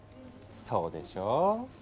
そうでしょう！